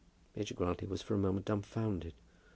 Major Grantly was for a moment dumfounded.